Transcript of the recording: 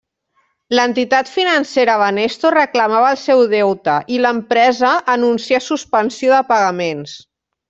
L'entitat financera Banesto reclamava el seu deute i l'empresa anuncià suspensió de pagaments.